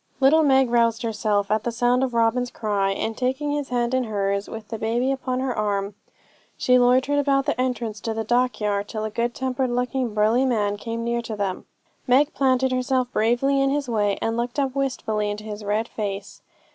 Little Meg roused herself at the sound of Robin's cry, and taking his hand in hers, with the baby upon her arm, she loitered about the entrance to the dockyard, till a good tempered looking burly man came near to them. Meg planted herself bravely in his way, and looked up wistfully into his red face.